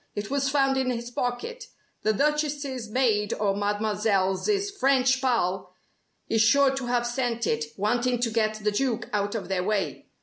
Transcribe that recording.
It was found in his pocket. The Duchess's maid or Mademoiselle's French pal is sure to have sent it, wanting to get the Duke out of their way.